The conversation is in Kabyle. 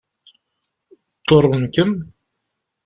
Ḍurren-kem?